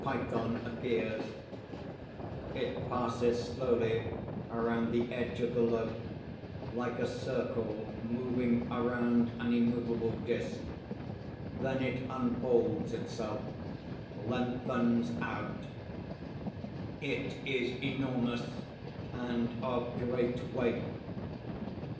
the flowers fall and the head of a python appears] _It passes slowly around the edge of the loaf, like a circle moving around an immovable disk; then it unfolds itself, lengthens out; it is enormous and of great weight.